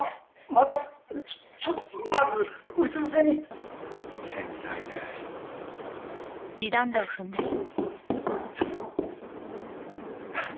またちょっとまずうつ伏せに繊細でえっ？